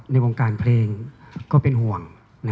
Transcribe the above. ในวงการเพลงก็เป็นห่วง